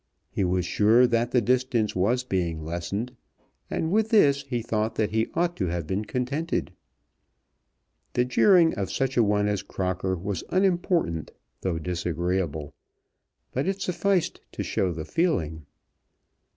He was sure that the distance was being lessened, and with this he thought that he ought to have been contented. The jeering of such a one as Crocker was unimportant though disagreeable, but it sufficed to show the feeling.